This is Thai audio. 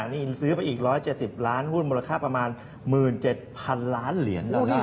นี่ซื้อไปอีก๑๗๐ล้านหุ้นมูลค่าประมาณ๑๗๐๐๐ล้านเหรียญแล้วนะ